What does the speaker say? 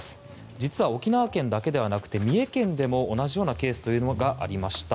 実は沖縄県だけではなくて三重県でも同じようなケースというのがありました。